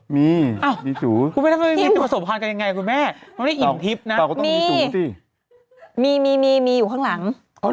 มีอยู่ครั้งใต้ข้างหลัง